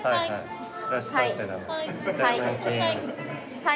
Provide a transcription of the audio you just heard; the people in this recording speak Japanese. はい。